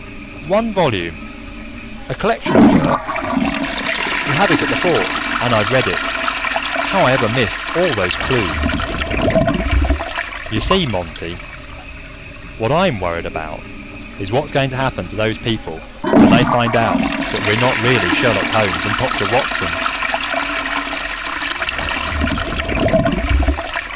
One volume. A collection of works. We have it at the Fort and I've read it. How I ever missed all those clues " "You see, Monty, what I'm worried about is what's going to happen to those people when they find out that we're not really Sherlock Holmes and Doctor Watson...."